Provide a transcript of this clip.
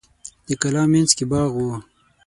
د کلا مینځ کې باغ و.